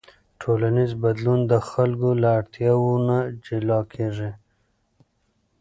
ټولنیز بدلون د خلکو له اړتیاوو نه جلا کېږي.